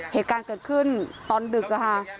เหตุการณ์เกิดขึ้นตอนดึกค่ะ